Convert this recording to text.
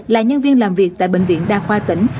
là nhân viên làm việc tại bệnh viện đa khoa tỉnh